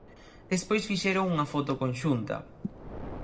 Despois fixeron unha foto conxunta.